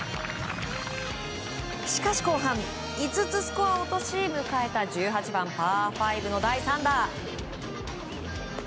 しかし後半、５つスコアを落とし迎えた１８番、パー５の第３打。